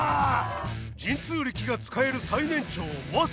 神通力が使える最年長ワサ。